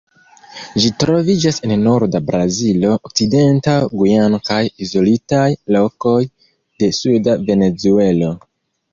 Ĝi troviĝas en norda Brazilo, okcidenta Gujano kaj izolitaj lokoj de suda Venezuelo.